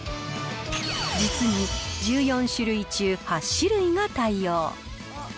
実に１４種類中８種類が対応。